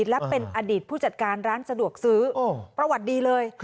และเป็นอดีตผู้จัดการร้านสะดวกซื้อประวัติดีเลย